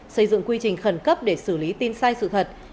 xây dựng quy trình khẩn cấp để xử lý tin sai sự thật